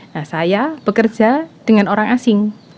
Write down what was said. nah saya bekerja dengan orang asing